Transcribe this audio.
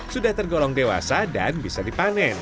sudah tergolong dewasa dan bisa dipanen